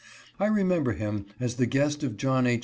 I remember him as the guest of John H.